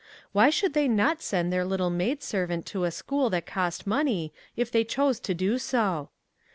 Why should they not send their little maid servant to a school that cost money, if they chose to do so